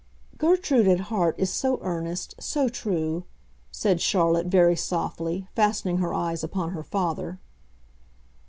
"Gertrude, at heart, is so earnest, so true," said Charlotte, very softly, fastening her eyes upon her father.